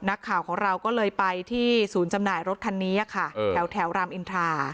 นักข่าวของเราก็เลยไปที่ศูนย์จำหน่ายรถคันนี้ค่ะแถวรามอินทรา